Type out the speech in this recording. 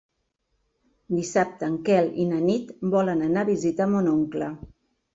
Dissabte en Quel i na Nit volen anar a visitar mon oncle.